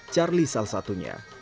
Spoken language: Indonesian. charlie salah satunya